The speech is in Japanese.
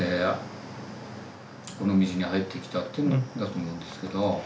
この道に入ってきたっていうんだと思うんですけど。